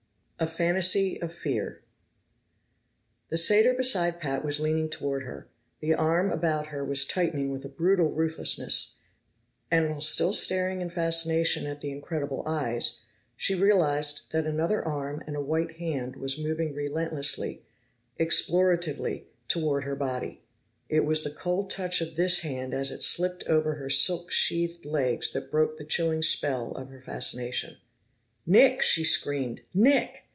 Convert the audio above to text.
5 A Fantasy of Fear The satyr beside pat was leaning toward her; the arm about her was tightening with a brutal ruthlessness, and while still staring in fascination at the incredible eyes, she realized that another arm and a white hand was moving relentlessly, exploratively, toward her body. It was the cold touch of this hand as it slipped over her silk sheathed legs that broke the chilling spell of her fascination. "Nick!" she screamed. "Nick!"